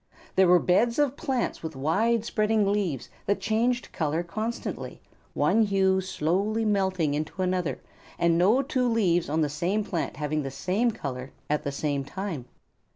There were beds of plants with wide spreading leaves that changed color constantly, one hue slowly melting into another and no two leaves on the same plant having the same color at the same time.